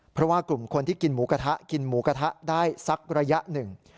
เพราะว่ากลุ่มคนที่กินหมูกระทะกินหมูกระทะได้สักระยะหนึ่ง